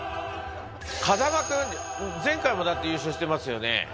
風間君、前回もだって優勝してますよね。